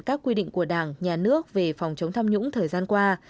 các quy định của đảng nhà nước về phòng chống tham nhũng thời gian qua